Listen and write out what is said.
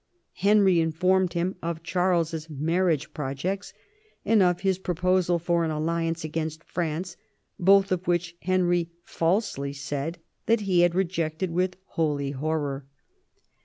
Henry informed him of Charles's marriage projects, and of his proposal for an alliance against France, both of which Henry falsely said that he had rejected with holy horror.